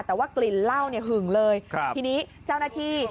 แต่ว่ากลิ่นเหล้าเนี่ยหึงเลยครับทีนี้เจ้าหน้าที่